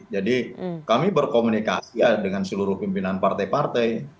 jadi kami berkomunikasi ya dengan seluruh pimpinan partai partai